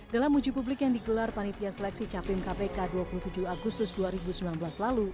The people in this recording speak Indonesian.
dalam uji publik yang digelar panitia seleksi capim kpk dua puluh tujuh agustus dua ribu sembilan belas lalu